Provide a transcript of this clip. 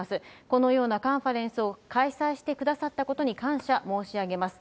このようなカンファレンスを開催してくださったことに感謝申し上げます。